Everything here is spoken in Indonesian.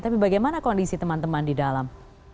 tapi bagaimana kondisi teman teman di dalam